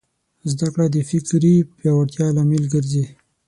زدهکړه د فکري پیاوړتیا لامل ګرځي.